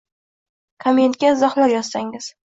Kommentga izohlar yozsangiz